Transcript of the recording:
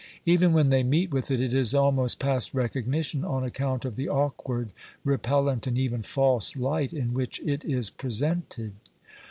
Even when they meet with it, it is almost past recognition on account of the awkward, repellent and even false light in which it is presented.